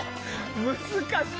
難しい。